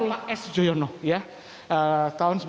ini bapak s joyono ya tahun seribu sembilan ratus tujuh puluh dua